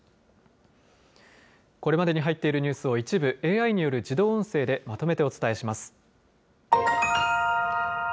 これまでに入っているニュースを一部、ＡＩによる自動音声でまとめてお伝えします。